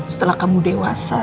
setelah kamu dewasa